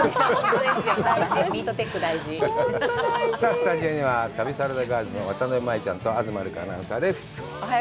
スタジオには旅サラダガールズの渡辺舞ちゃんと東留伽アナウンサーです。